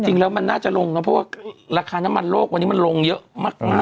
จริงแล้วมันน่าจะลงนะเพราะว่าราคาน้ำมันโลกวันนี้มันลงเยอะมาก